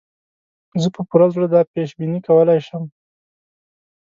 زه په پوره زړه دا پېش بیني کولای شم.